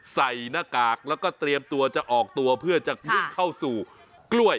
ใส่หน้ากากแล้วก็เตรียมตัวจะออกตัวเพื่อจะวิ่งเข้าสู่กล้วย